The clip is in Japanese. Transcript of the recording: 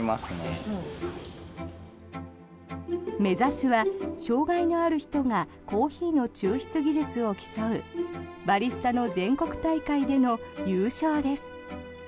目指すは、障害のある人がコーヒーの抽出技術を競うバリスタの全国大会での優勝です。